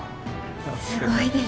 すごいです。